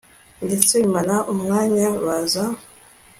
ndetse bimara umwanya baza